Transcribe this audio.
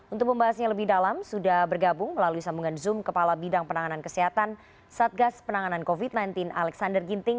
untuk membahasnya lebih dalam sudah bergabung melalui sambungan zoom kepala bidang penanganan kesehatan satgas penanganan covid sembilan belas alexander ginting